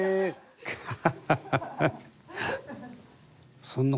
ハハハハ！